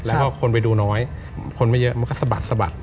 แล้วคนไปดูน้อยคนไม่เยอะก็สะบัด